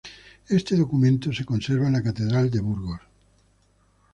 Este documento se conserva en la Catedral de Burgos.